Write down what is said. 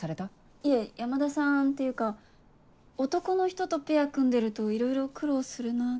いえ山田さんっていうか男の人とペア組んでるといろいろ苦労するなって。